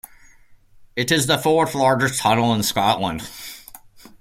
It is the fourth longest tunnel in Scotland.